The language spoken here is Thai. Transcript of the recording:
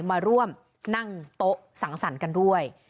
มาร่วมนั่งโต๊ะสังสรรค์กันด้วย